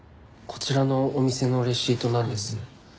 こちらのお店のレシートなんです。